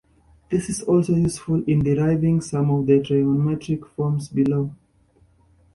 This is also useful in deriving some of the trigonometric forms below.